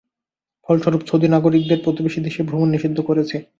ফলস্বরূপ, সৌদি নাগরিকদের প্রতিবেশী দেশে ভ্রমণ নিষিদ্ধ করেছে।